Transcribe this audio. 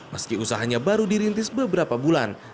meski usahanya baru dirintis beberapa bulan